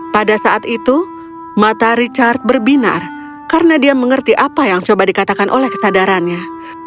pada saat itu mata richard berbinar karena dia mengerti apa yang coba dikatakan oleh kesadarannya